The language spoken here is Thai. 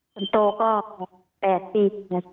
คนโตก็๘ปี